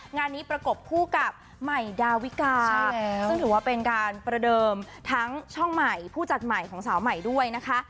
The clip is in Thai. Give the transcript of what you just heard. งานนี้ประกบคู่กับใหม่ดาวิกาซึ่งถือว่าเป็นการประเดิมทั้งช่องใหม่ผู้จัดใหม่ของสาวใหม่ด้วยนะคะ